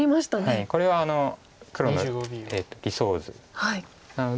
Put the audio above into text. これは黒の理想図なので。